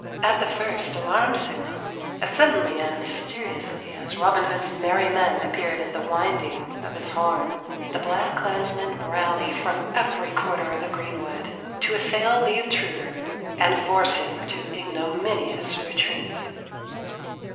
At the first alarm signal, as suddenly and mysteriously as Robin Hood's merry men appeared at the winding of his horn, the black clansmen rally from every quarter of the greenwood, to assail the intruder and force him to ignominious retreat.